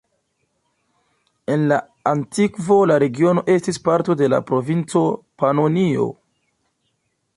En la antikvo la regiono estis parto de la provinco Panonio.